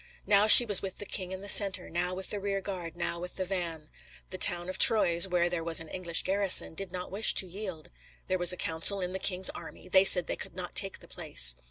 "Now she was with the king in the centre, now with the rear guard, now with the van." The town of Troyes, where there was an English garrison, did not wish to yield. There was a council in the king's army; they said they could not take the place.